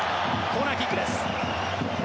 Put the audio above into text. コーナーキックです。